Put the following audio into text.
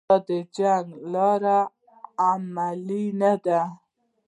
د جنګ لاره عملي نه ده